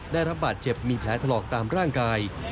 ได้รับบาดเจ็บมีแผลถลอกตามร่างกาย